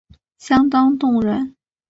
相当动人